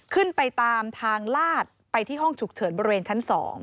ขึ้นไปตามทางลาดไปที่ห้องฉุกเฉินบริเวณชั้น๒